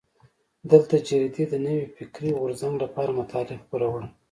دې جریدې د نوي فکري غورځنګ لپاره مطالب خپرول.